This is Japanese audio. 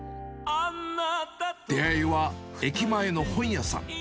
出会いは駅前の本屋さん。